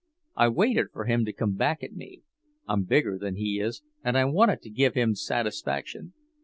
I waited for him to come back at me. I'm bigger than he is, and I wanted to give him satisfaction.